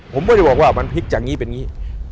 ผมไม่ได้บอกว่ามันพลิกจากนี้เป็นงี้